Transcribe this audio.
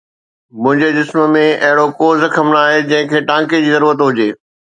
منهنجي جسم ۾ اهڙو ڪو زخم ناهي جنهن کي ٽانڪي جي ضرورت هجي